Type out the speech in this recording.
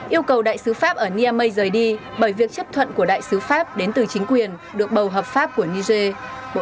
yêu cầu đại sứ pháp ở niamey rời đi bởi việc chấp thuận của đại sứ pháp đến từ chính quyền được bầu hợp pháp của niger